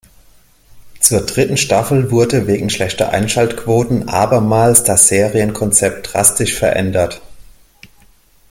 Zur dritten Staffel wurde wegen schlechter Einschaltquoten abermals das Serienkonzept drastisch verändert.